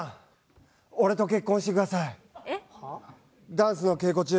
ダンスの稽古中